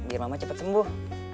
biar mama cepet sembuh